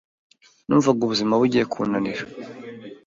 Numvaga ubuzima bugiye kunanira